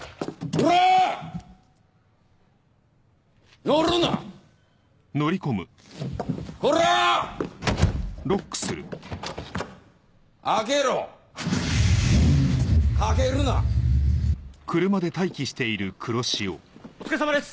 お疲れさまです！